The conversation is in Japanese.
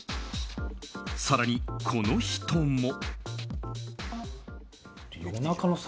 更に、この人も。